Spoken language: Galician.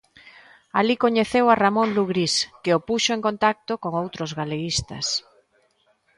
Alí coñeceu a Ramón Lugrís que o puxo en contacto con outros galeguistas.